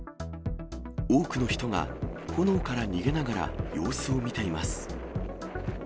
多くの人が、炎から逃げながら様子を見ています。